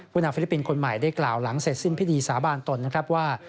นางฟิลิปปินส์คนใหม่ได้กล่าวหลังเสร็จสิ้นพิธีสาบานตนนะครับว่า